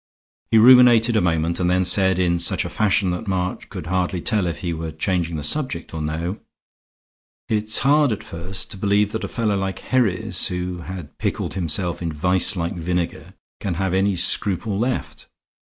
He ruminated a moment and then said, in such a fashion that March could hardly tell if he were changing the subject or no: "It's hard at first to believe that a fellow like Herries, who had pickled himself in vice like vinegar, can have any scruple left.